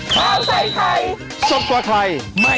โปรดติดตามตอนต่อไป